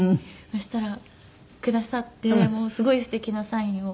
そしたらくださってすごいすてきなサインを。